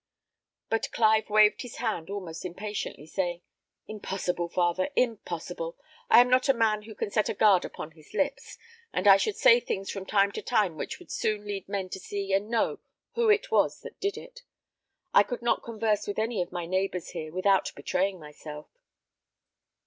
But Clive waved his hand almost impatiently, saying, "Impossible, father, impossible! I am not a man who can set a guard upon his lips; and I should say things from time to time which would soon lead men to see and know who it was that did it. I could not converse with any of my neighbours here without betraying myself."